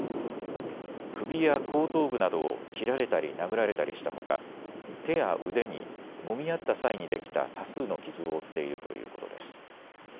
首や後頭部などを切られたり殴られたりしたほか手や腕にもみ合った際にできた多数の傷を負っているということです。